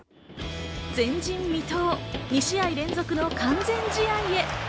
前人未到、２試合連続の完全試合へ。